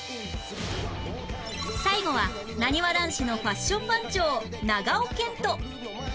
最後はなにわ男子のファッション番長長尾謙杜